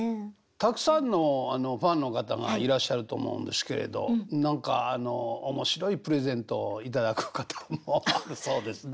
たくさんのあのファンの方がいらっしゃると思うんですけれど何かあの面白いプレゼントを頂くこともあるそうですね。